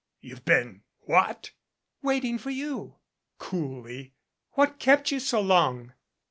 "You've been what?" "Waiting for you," coolly. "What kept you so long?"